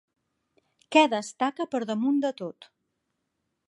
Què destaca per damunt de tot?